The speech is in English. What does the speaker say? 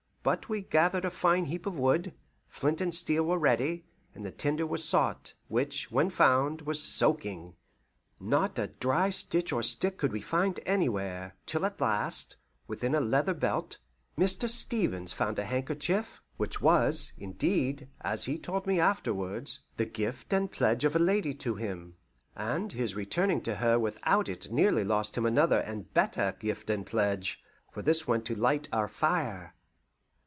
But we gathered a fine heap of wood, flint and steel were ready, and the tinder was sought; which, when found, was soaking. Not a dry stitch or stick could we find anywhere, till at last, within a leather belt, Mr. Stevens found a handkerchief, which was, indeed, as he told me afterwards, the gift and pledge of a lady to him; and his returning to her with out it nearly lost him another and better gift and pledge, for this went to light our fire.